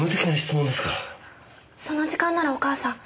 その時間ならお母さん